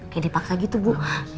kayak dipaksa gitu bu